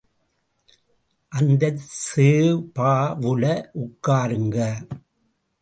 அந்தச் சேபாவுல உட்காருங்க.